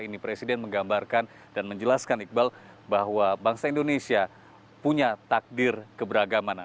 ini presiden menggambarkan dan menjelaskan iqbal bahwa bangsa indonesia punya takdir keberagaman